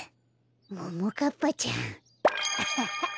ももかっぱちゃんアハハ。